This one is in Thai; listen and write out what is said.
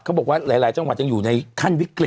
เขาบอกว่าหลายจังหวัดยังอยู่ในขั้นวิกฤต